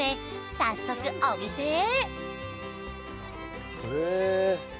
早速お店へ！